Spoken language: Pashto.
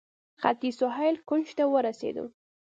ختیځ سهیل کونج ته ورسېدو.